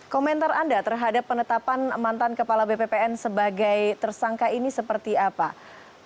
komentar anda terhadap penetapan mantan kepala bppn sebagai tersangka ini seperti apa